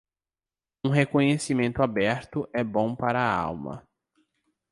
Um reconhecimento aberto é bom para a alma.